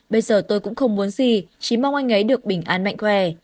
bây giờ tôi cũng không muốn gì chỉ mong anh ấy được bình an mạnh khỏe